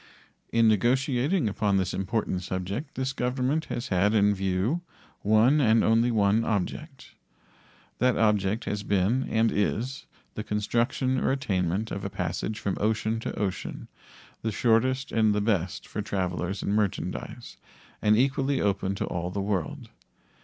In negotiating upon this important subject this Government has had in view one, and only one, object. That object has been, and is, the construction or attainment of a passage from ocean to ocean, the shortest and the best for travelers and merchandise, and equally open to all the world.